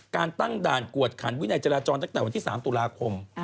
การตั้งด่านกวดขันวินัยจราจรตั้งแต่วันที่๓ตุลาคม